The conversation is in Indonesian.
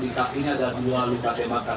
di kakinya ada dua luka tembakan